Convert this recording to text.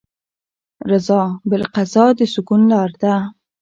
رضا بالقضا د سکون لاره ده.